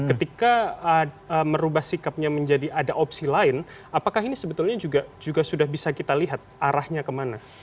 ketika merubah sikapnya menjadi ada opsi lain apakah ini sebetulnya juga sudah bisa kita lihat arahnya kemana